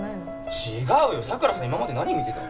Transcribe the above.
違うよ佐倉さん今まで何見てたの？